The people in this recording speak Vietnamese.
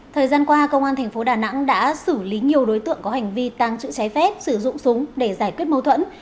thời gian qua công an tp đà nẵng đã xử lý nhiều đối tượng có hành vi tăng chữ trái phép sử dụng súng để giải quyết mâu thuẫn